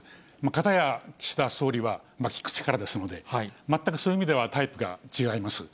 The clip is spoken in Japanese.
片や岸田総理は、聞く力ですので、全くそういう意味ではタイプが違います。